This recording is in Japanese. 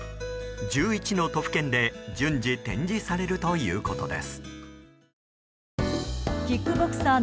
１１の都府県で順次展示されるということです。